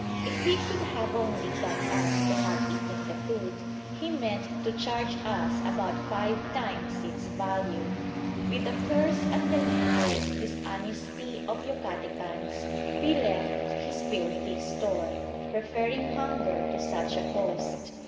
If he could have only got us to have eaten the food, he meant to charge us about five times its value. With a curse at the limitless dishonesty of Yucatecans, we left his filthy store, preferring hunger to such a host.